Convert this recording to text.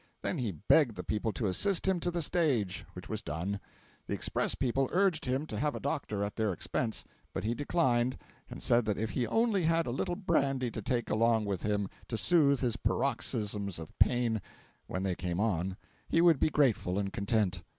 Then he begged the people to assist him to the stage, which was done. The express people urged him to have a doctor at their expense, but he declined, and said that if he only had a little brandy to take along with him, to soothe his paroxyms of pain when they came on, he would be grateful and content.